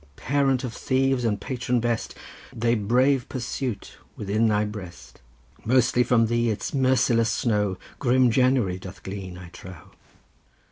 Parent of thieves and patron best, They brave pursuit within thy breast! Mostly from thee its merciless snow Grim January doth glean, I trow.